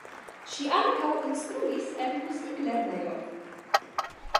Ŝi ankaŭ instruis en muziklernejo.